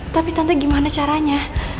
tapi tante gimana caranya